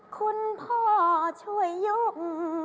คุณพ่อช่วยยก